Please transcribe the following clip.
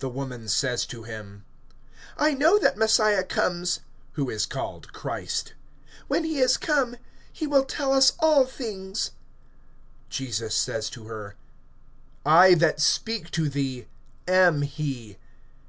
(25)The woman says to him: I know that Messiah comes (who is called Christ); when he is come, he will tell us all things. (26)Jesus says to her: I that speak to thee am he.